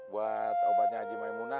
buat obatnya aji maimunah